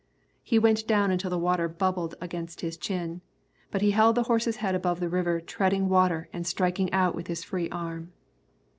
He went down until the water bubbled against his chin. But he held the horse's head above the river, treading water and striking out with his free arm.